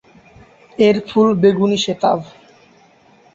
এর ফুল বেগুনি শ্বেতাভ।